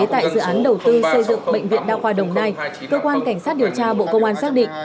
tại dự án đầu tư xây dựng bệnh viện đa khoa đồng nai cơ quan cảnh sát điều tra bộ công an xác định